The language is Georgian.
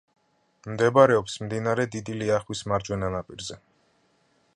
მდებარეობს მდინარე დიდი ლიახვის მარჯვენა ნაპირზე.